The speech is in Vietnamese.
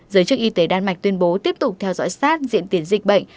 giới chức y tế đan mạch tuyên bố tiếp tục theo dõi sát diễn tiến dịch bệnh